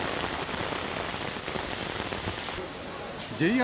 ＪＲ